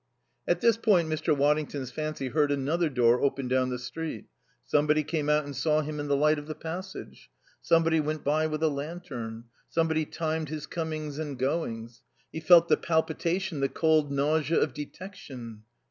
At this point Mr. Waddington's fancy heard another door open down the street; somebody came out and saw him in the light of the passage; somebody went by with a lantern; somebody timed his comings and goings. He felt the palpitation, the cold nausea of detection.